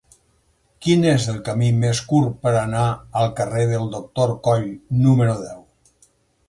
Quin és el camí més curt per anar al carrer del Doctor Coll número deu?